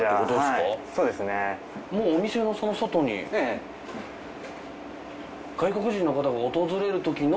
もうお店の外に外国人の方が訪れるときの。